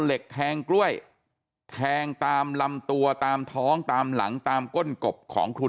เหล็กแทงกล้วยแทงตามลำตัวตามท้องตามหลังตามก้นกบของครู